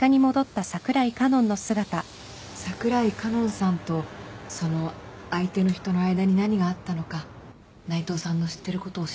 櫻井佳音さんとその相手の人の間に何があったのか内藤さんの知ってることを教えてもらいたいの。